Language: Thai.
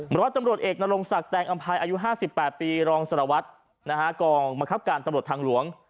ร้อยตำรวจเอกนรงศักดิแตงอำภัยอายุ๕๘ปีรองสารวัตรกองบังคับการตำรวจทางหลวง